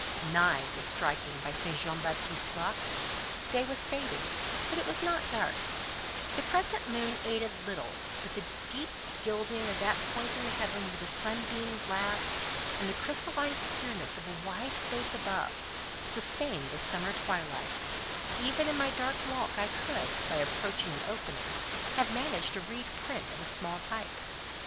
Nine was striking by St. Jean Baptiste's clock; day was fading, but it was not dark: the crescent moon aided little, but the deep gilding of that point in heaven where the sun beamed last, and the crystalline clearness of a wide space above, sustained the summer twilight; even in my dark walk I could, by approaching an opening, have managed to read print of a small type.